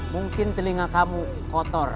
mungkin telinga kamu kotor